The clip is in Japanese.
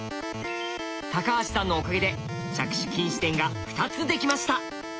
橋さんのおかげで着手禁止点が２つできました。